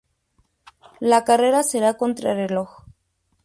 La carrera será contrarreloj.